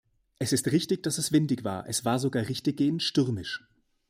Es ist richtig, dass es windig war, es war sogar richtiggehend stürmisch.